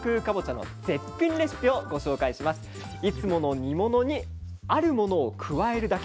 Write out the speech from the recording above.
いつもの煮物にあるものを加えるだけ。